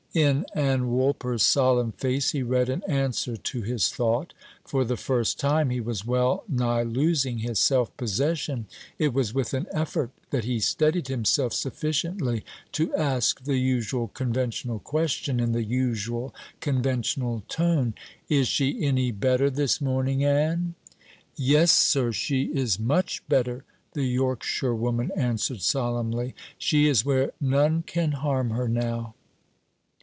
In Ann Woolper's solemn face he read an answer to his thought. For the first time he was well nigh losing his self possession. It was with an effort that he steadied himself sufficiently to ask the usual conventional question in the usual conventional tone. "Is she any better this morning, Ann?" "Yes, sir, she is much better," the Yorkshirewoman answered solemnly. "She is where none can harm her now."